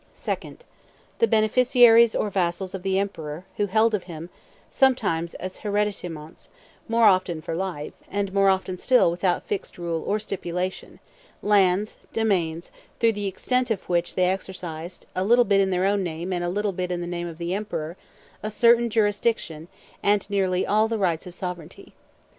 2d. The beneficiaries or vassals of the emperor, who held of him, sometimes as hereditaments, more often for life, and more often still without fixed rule or stipulation, lands; domains, throughout the extent of which they exercised, a little bit in their own name and a little bit in the name of the emperor, a certain jurisdiction and nearly all the rights of sovereignty.